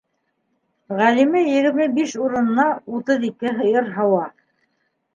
Ғәлимә егерме биш урынына утыҙ ике һыйыр һауа!